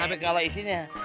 sampai kalau isinya